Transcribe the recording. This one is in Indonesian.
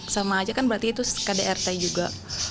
sama aja kan berarti itu kdrt juga